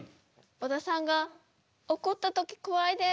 小田さんが怒った時怖いです。